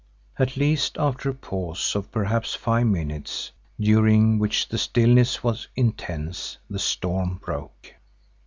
At least after a pause of perhaps five minutes, during which the stillness was intense, the storm broke.